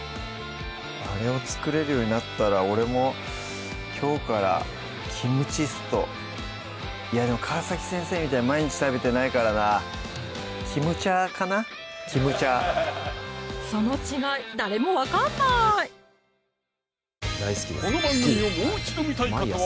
あれを作れるようになったら俺もきょうからキムチストいやでも川先生みたいに毎日食べてないからなキムチャーその違い誰も分かんないこの番組をもう一度見たい方は